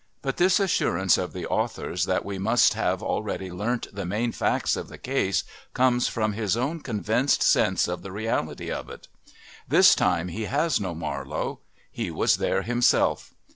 But this assurance of the author's that we must have already learnt the main facts of the case comes from his own convinced sense of the reality of it. This time he has no Marlowe. He was there himself.